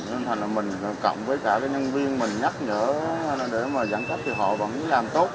nên mình cộng với cả nhân viên mình nhắc nhở để mà giãn cách thì họ vẫn làm tốt